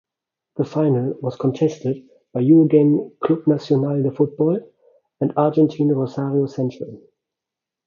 The final was contested by Uruguayan Club Nacional de Football and Argentine Rosario Central.